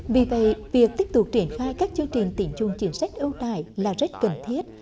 vì vậy việc tiếp tục triển khai các chương trình tỉnh chung chính sách ưu đại là rất cần thiết